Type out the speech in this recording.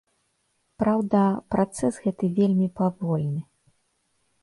Праўда, працэс гэты вельмі павольны.